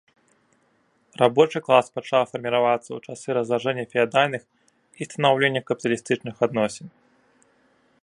Рабочы клас пачаў фарміравацца ў часы разлажэння феадальных і станаўлення капіталістычных адносін.